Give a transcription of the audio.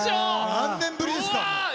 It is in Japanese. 何年ぶりですか？